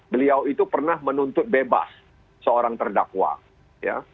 beliau itu pernah menuntut bebas seorang terdakwa ya